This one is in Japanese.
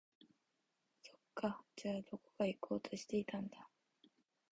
そっか、じゃあ、どこか行こうとしていたんだ